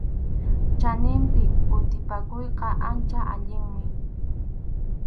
Chaninpi kutipakuyqa ancha allinmi.